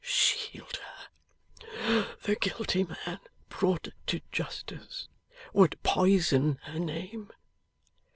Shield her. The guilty man, brought to justice, would poison her name.